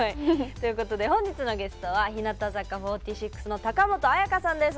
本日のゲストは日向坂４６の高本彩花さんです。